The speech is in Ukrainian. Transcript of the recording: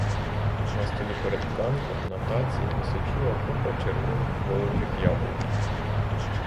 На столі перед ґанком на таці височіла купа червоних великих яблук.